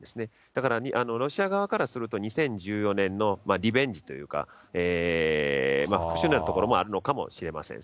だから、ロシア側からすると、２０１４年のリベンジというか、復しゅうのようなところもあるのかもしれません。